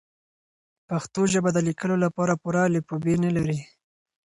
پښتو ژبه د لیکلو لپاره پوره الفبې نلري.